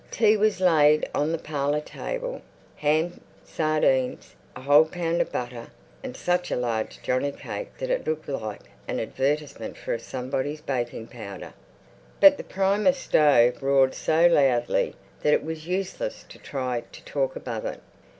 Tea was laid on the parlour table—ham, sardines, a whole pound of butter, and such a large johnny cake that it looked like an advertisement for somebody's baking powder. But the Primus stove roared so loudly that it was useless to try to talk above it.